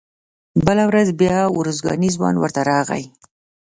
بله ورځ بیا ارزګانی ځوان ورته راغی.